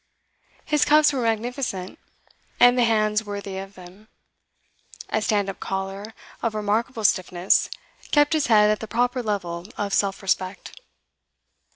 His cuffs were magnificent, and the hands worthy of them. A stand up collar, of remarkable stiffness, kept his head at the proper level of self respect.